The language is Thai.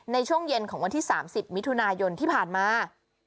ในช่วงเย็นของวันที่๓๐มิถุนายนที่ผ่านมา